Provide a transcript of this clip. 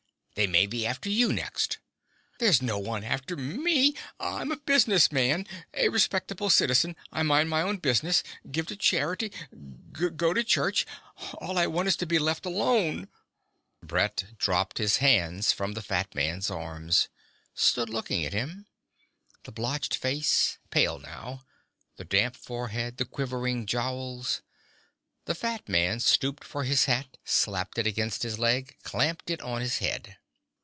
They may be after you next." "There's no one after me! I'm a business man ... a respectable citizen. I mind my own business, give to charity, go to church. All I want is to be left alone!" Brett dropped his hands from the fat man's arms, stood looking at him: the blotched face, pale now, the damp forehead, the quivering jowls. The fat man stooped for his hat, slapped it against his leg, clamped it on his head.